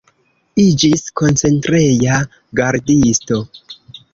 Iĝis koncentreja gardisto.